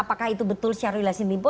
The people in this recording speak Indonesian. apakah itu betul syarulilasin limpo